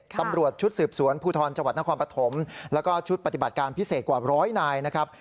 ตำรวจชุดสืบสวนภูทรจังหวัดนครปฐมแล้วก็ชุดปฏิบัติการพิเศษกว่าร้อยนายนะครับ